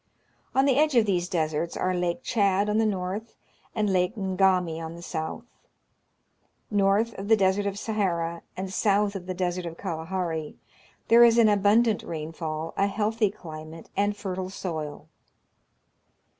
On the edge of these deserts are Lake Chad on the north, and Lake Ngami on the south. North of the Desert of Sahara, and south of the Desert of Kalahari, there is an abundant rainfall, a healthy climate, and fertile soil.